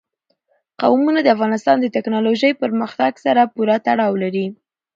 قومونه د افغانستان د تکنالوژۍ پرمختګ سره پوره تړاو لري.